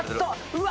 うわ！